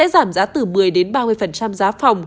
giảm giá từ một mươi ba mươi giá phòng